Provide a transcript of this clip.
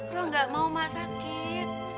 lo gak mau mak sakit